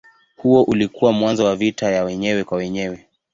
Huo ulikuwa mwanzo wa vita ya wenyewe kwa wenyewe.